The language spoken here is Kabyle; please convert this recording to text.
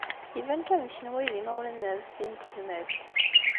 Iban kan d kenwi ay d imawlan n Ɛezdin n Tezmalt.